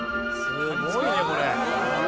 すごいねこれ。